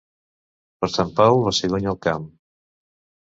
Per Sant Pau, la cigonya al camp.